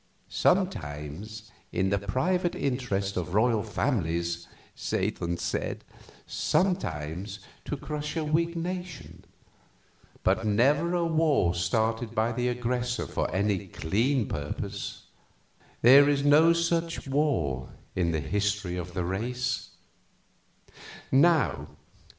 "Sometimes in the private interest of royal families," Satan said, "sometimes to crush a weak nation; but never a war started by the aggressor for any clean purpose there is no such war in the history of the race."